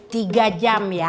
tiga jam ya